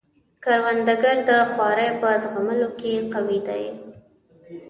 کروندګر د خوارۍ په زغملو کې قوي دی